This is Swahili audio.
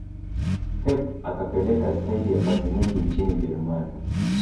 pep akapeleka staili ya pasi nyingi nchini ujerumani